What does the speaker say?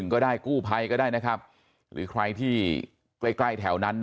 ก็ได้กู้ภัยก็ได้นะครับหรือใครที่ใกล้ใกล้แถวนั้น